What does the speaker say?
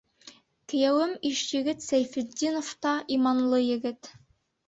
Кейәүем Ишйегет Сәйфетдинов та — иманлы егет.